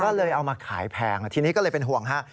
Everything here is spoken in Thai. ก็เลยเอามาขายแพงทีนี้ก็เลยเป็นห่วงฮะ